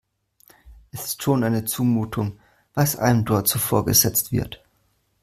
Es ist schon eine Zumutung, was einem dort so vorgesetzt wird.